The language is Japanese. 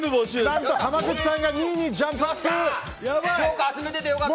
何と、濱口さんが２位にジャンプアップ！